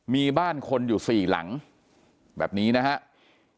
มีบ้านคนอยู่๔หลังแบบนี้นะครับ